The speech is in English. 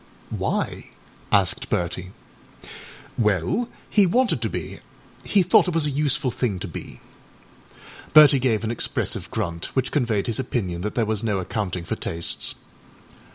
â âWhy?â asked Bertie. âWell, he wanted to be; he thought it was a useful thing to be.â Bertie gave an expressive grunt, which conveyed his opinion that there was no accounting for tastes.